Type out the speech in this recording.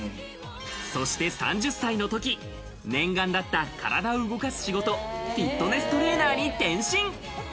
そして３０歳の時、念願だった体を動かす仕事、フィットネストレーナーに転身。